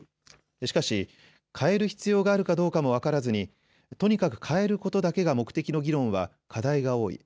しかし、変える必要があるかどうかも分からずにとにかく変えることだけが目的の議論は課題が多い。